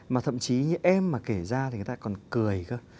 mà thậm chí những em mà kể ra thì người ta còn cười cơ